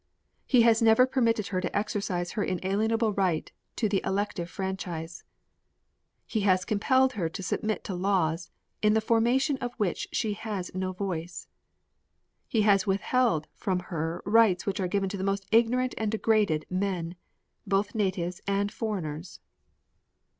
He has never permitted her to exercise her inalienable right to the elective franchise. He has compelled her to submit to laws, in the formation of which she has no voice. He has withheld from her rights which are given to the most ignorant and degraded men both natives and foreigners.